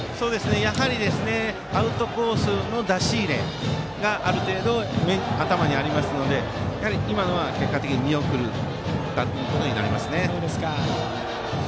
やはりアウトコースの出し入れがある程度、頭にあるので今のは結果的に見送ったことになります。